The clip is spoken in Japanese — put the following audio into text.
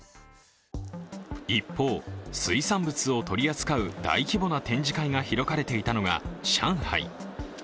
一方、水産物を取り扱う大規模な展示会が開かれていたのが上海。